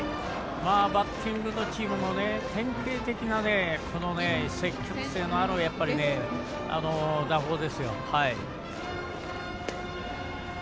バッティングのチームの典型的な積極性のある打法ですよ。